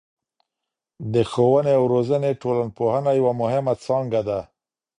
د ښووني او روزني ټولنپوهنه یوه مهمه څانګه ده.